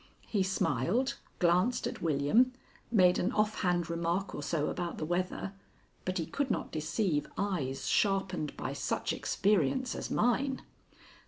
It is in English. He smiled, glanced at William, made an offhand remark or so about the weather, but he could not deceive eyes sharpened by such experience as mine.